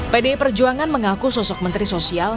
pdi perjuangan mengaku sosok menteri sosial